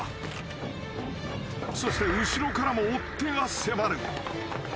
［そして後ろからも追っ手が迫る］